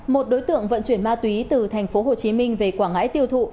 một đối tượng vận chuyển ma túy từ tp hcm về quảng ngãi tiêu thụ